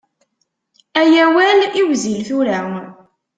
Ay awal iwzil tura.